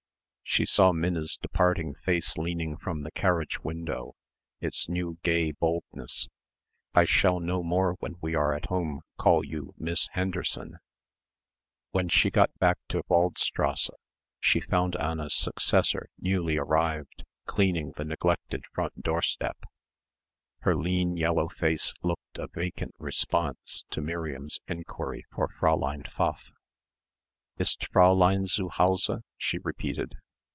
She saw Minna's departing face leaning from the carriage window, its new gay boldness: "I shall no more when we are at home call you Miss Henderson." When she got back to Waldstrasse she found Anna's successor newly arrived cleaning the neglected front doorstep. Her lean yellow face looked a vacant response to Miriam's enquiry for Fräulein Pfaff. "Ist Fräulein zu Hause," she repeated.